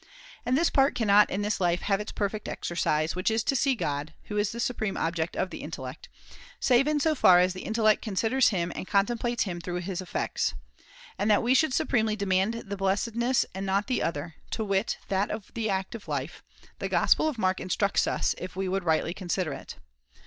And this part cannot in this life have its perfect exercise, which is to see God (who is the supreme object of the intellect), save in so far as the intellect considers him and con templates him through his effects. And that we should supremely demand this blessedness and not the other (to wit that of the active life), the Gospel of Mark instructs us, if we would rightly consider it.